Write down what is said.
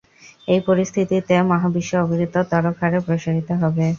এই পরিস্থিতিতে মহাবিশ্ব অবিরত ত্বরক হারে প্রসারিত হবে।